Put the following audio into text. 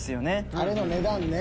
あれの値段ね。